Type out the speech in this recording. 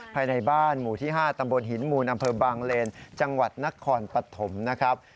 ภายในบ้านหมู่ที่๕ตำบลหินมูลอำเภอบางเลนจังหวัดนครปฐมนะครับ